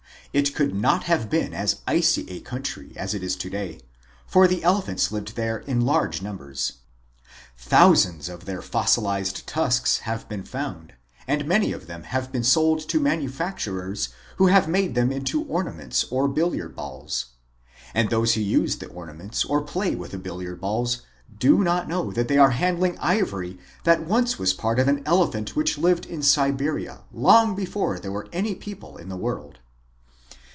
It could not have been as icy a country as it is to day, for the elephants lived there in large numbers. Thousands of their fossilized tusks have been found, and many of them have been sold to manufacturers who have made them into ornaments or billiard balls. And those who use the ornaments or play with the bil liard balls do not know that they are handling ivory that once was part of an elephant which lived in Siberia long before there were any people in the world.